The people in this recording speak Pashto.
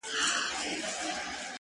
• وېره حق ده خو له چا؟ ,